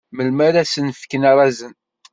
Melmi ara sen-fken arazen?